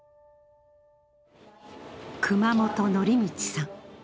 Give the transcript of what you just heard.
熊本典道さん。